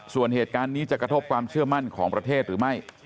ส่วนเหตุการณ์นี้จะกระทบความเชื่อมั่นของประเทศหรือไม่